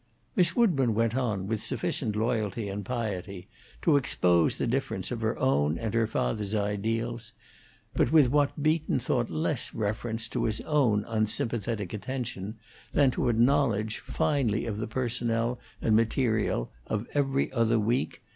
Miss Woodburn went on, with sufficient loyalty and piety, to expose the difference of her own and her father's ideals, but with what Beaton thought less reference to his own unsympathetic attention than to a knowledge finally of the personnel and materiel of 'Every Other Week.'